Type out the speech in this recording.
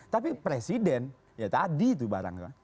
tapi presiden ya tadi tuh barangkala